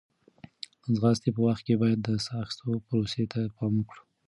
د ځغاستې په وخت کې باید د ساه اخیستو پروسې ته پام وکړو.